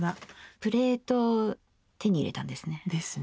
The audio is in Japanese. プレート手に入れたんですね。